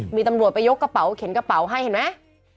มีตำรวจไปยกกระเป๋าเข็นกระเป๋าให้เห็นไหม